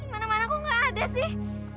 mana mana kok nggak ada sih